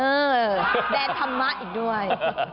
แดนธรรมะอีกด้วย